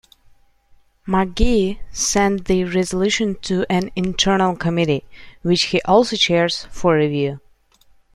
McGee sent the resolution to an internal committee, which he also chairs, for review.